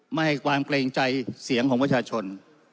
ไม่ให้ความเกรงใจเสียงของประชาชน